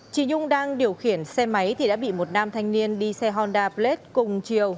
chị nhung đang điều khiển xe máy thì đã bị một nam thanh niên đi xe honda blade cùng chiều